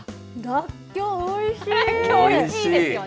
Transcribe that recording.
らっきょう、おいしいですよね。